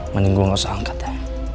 mending gue gak usah angkat ya